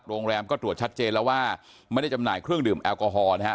โรงแรมก็ตรวจชัดเจนแล้วว่าไม่ได้จำหน่ายเครื่องดื่มแอลกอฮอล์นะฮะ